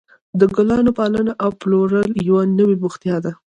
د ګلانو پالنه او پلورل یوه نوې بوختیا ده.